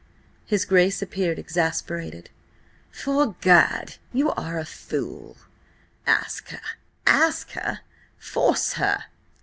His Grace appeared exasperated. "'Fore Gad, you are a fool! Ask her! Ask her! Force her!